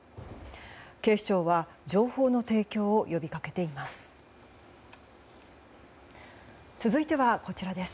警視庁は、情報の提供を呼びかけています。